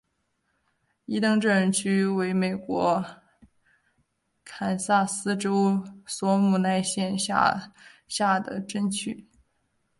伊登镇区为美国堪萨斯州索姆奈县辖下的镇区。